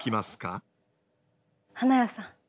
花屋さん。